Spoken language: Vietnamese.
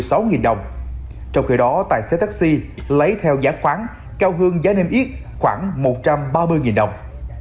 khoảng hai trăm một mươi sáu đồng trong khi đó tài xế taxi lấy theo giá khoáng cao hơn giá niêm yết khoảng một trăm ba mươi đồng